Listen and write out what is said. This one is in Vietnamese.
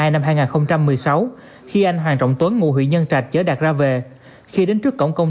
năm hai nghìn một mươi sáu khi anh hoàng trọng tuấn ngụ huyện nhân trạch chở đạt ra về khi đến trước cổng công